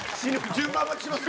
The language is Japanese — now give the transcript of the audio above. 順番待ちします。